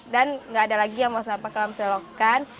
dan nggak ada lagi yang mau sampah di dalam selokan